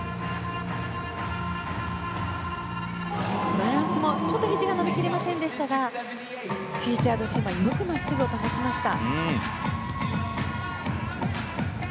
バランスもちょっとひじが伸び切りませんでしたがフィーチャードスイマーよく真っすぐを保ちました。